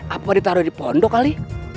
apa ditaruh di pondok kali